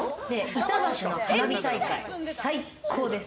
板橋の花火大会最高です。